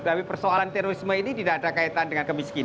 tapi persoalan terorisme ini tidak ada kaitan dengan kemiskinan